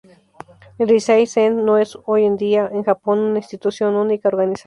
El Rinzai Zen no es hoy día en Japón una institución única organizada.